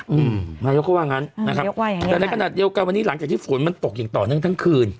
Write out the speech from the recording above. อืมมายกว่างั้นแต่ในขณะยกว่าวันนี้หลังจากที่ฝนมันตกอย่างต่อนึงทั้งคืน